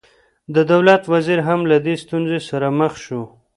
د دولت وزیر هم له دې ستونزې سره مخ شو.